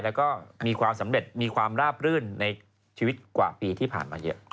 แล้วก็มีความสำเร็จมีความราบรื่นในชีวิตกว่าปีที่ผ่านมาเยอะ